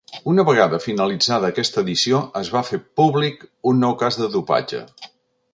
Una vegada finalitzada aquesta edició es va fer públic un nou cas de dopatge.